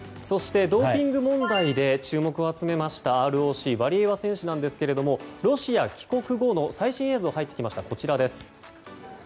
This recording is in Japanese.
そしてドーピング問題で注目を集めましたＲＯＣのワリエワ選手ですがロシア帰国後の最新映像が入ってきました。